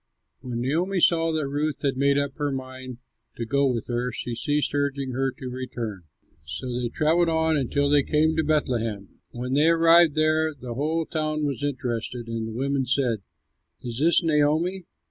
When Naomi saw that Ruth had made up her mind to go with her, she ceased urging her to return. So they travelled on until they came to Bethlehem. When they arrived there, the whole town was interested, and the women said, "Is this Naomi?"